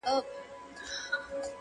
شمعي دي بلیږي او ګډیږي دي ړانده ورته!